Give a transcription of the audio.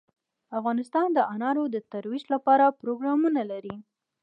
افغانستان د انار د ترویج لپاره پروګرامونه لري.